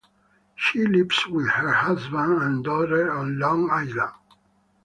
She lives with her husband and daughter on Long Island.